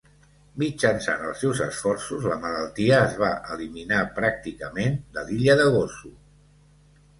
Mitjançant els seus esforços, la malaltia es va eliminar pràcticament de l'illa de Gozo.